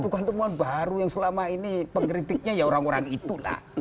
bukan temuan baru yang selama ini pengkritiknya ya orang orang itu lah